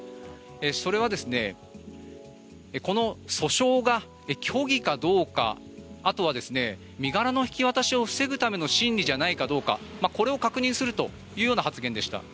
それはこの訴訟が虚偽かどうかあとは身柄の引き渡しを防ぐための審理じゃないかこれを確認するというような発言でした。